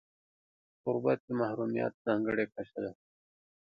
غربت د محرومیت ځانګړې کچه ده.